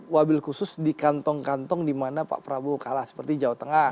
wabil khusus di kantong kantong di mana pak prabowo kalah seperti jawa tengah